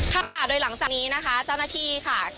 ค่ะโดยหลังจากนี้นะคะเจ้าหน้าที่ค่ะ